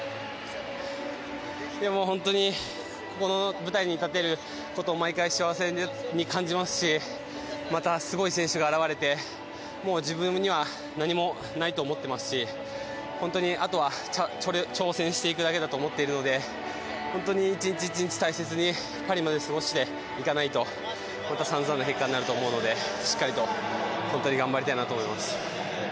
もう本当にこの舞台に立てることを毎回幸せに感じますしまたすごい選手が現れて自分には何もないと思っていますし本当にあとは挑戦していくだけだと思っているので本当に１日１日、大切にパリまで過ごしていかないとまた散々な結果になると思うのでしっかりと頑張りたいと思います。